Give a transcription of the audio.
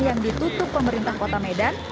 yang ditutup pemerintah kota medan